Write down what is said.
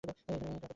এখানে, ক্রাকোতে?